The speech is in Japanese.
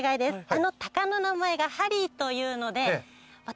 あのタカの名前が「ハリー」というので。